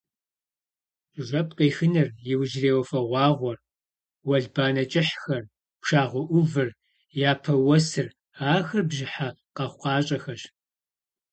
Жэп къехыныр, иужьрей уафэгъуагъуэр, уэлбанэ кӏыхьхэр, пшагъуэ ӏувыр, япэ уэсыр – ахэр бжьыхьэ къэхъукъащӏэхэщ.